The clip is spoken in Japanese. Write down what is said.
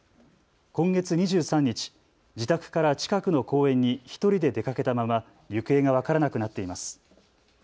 今月２３日、自宅から近くの公園に１人で出かけたまま行方が分からなくなっています。